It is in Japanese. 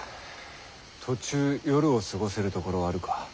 途中夜を過ごせる所はあるか？